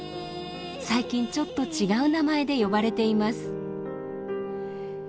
最近ちょっと違う名前で呼ばれています。